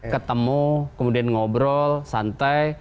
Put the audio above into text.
ketemu kemudian ngobrol santai